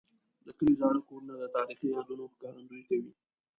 د کلي زاړه کورونه د تاریخي یادونو ښکارندوي کوي.